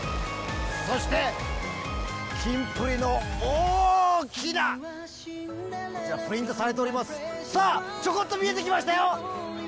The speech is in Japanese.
そして、キンプリの大きなこちら、プリントされております、さあ、ちょこっと見えてきましたよ。